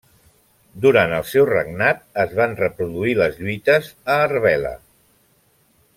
Durant el seu regnat es van reproduir les lluites a Arbela.